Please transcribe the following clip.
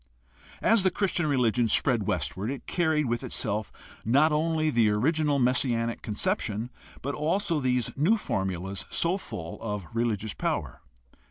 As the Christian religion spread westward it carried with itself not only the original messianic conception but also these new formulas so full of religious power.